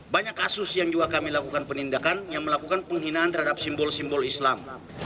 banyak kasus yang juga kami lakukan penindakan yang melakukan penghinaan terhadap simbol simbol islam